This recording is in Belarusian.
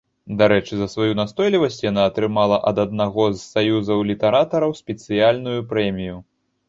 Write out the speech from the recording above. Дарэчы, за сваю настойлівасць яна атрымала ад аднаго з саюзаў літаратараў спецыяльную прэмію.